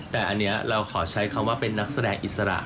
แต่อันนี้เราขอใช้คำว่าเป็นนักแสดงอิสระ